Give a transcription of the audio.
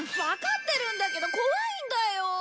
わかってるんだけど怖いんだよ！